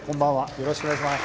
よろしくお願いします。